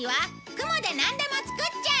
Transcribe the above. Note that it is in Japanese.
雲でなんでも作っちゃえ！